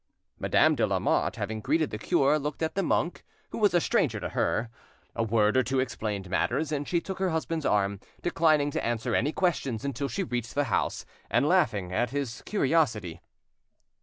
Madame de Lamotte, having greeted the cure, looked at the monk, who was a stranger to her. A word or two explained matters, and she took her husband's arm, declining to answer any questions until she reached the louse, and laughing at his curiosity.